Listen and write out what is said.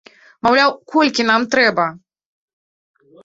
Маўляў, колькі нам трэба?